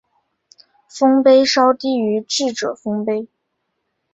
丰碑稍低于智者丰碑。